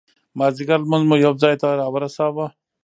مازدیګر لمونځ مو یو ځای ته را ورساوه.